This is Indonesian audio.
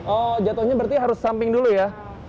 oh jatuhnya berarti harus samping dulu ya